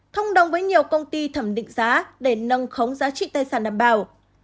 thông đồng với nhiều công ty thẩm định giá để nâng khống giá trị tài sản đảm bảo